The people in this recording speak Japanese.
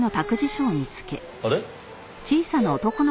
あれ？